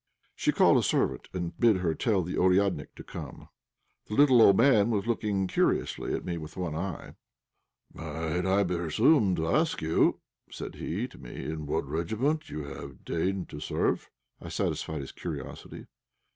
She called a servant, and bid her tell the "ouriadnik" to come. The little, old man was looking curiously at me with his one eye. "Might I presume to ask you," said he to me, "in what regiment you have deigned to serve?" I satisfied his curiosity.